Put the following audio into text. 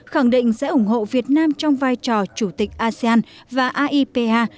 khẳng định sẽ ủng hộ việt nam trong vai trò chủ tịch asean và aipa